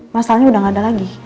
masalahnya udah nggak ada lagi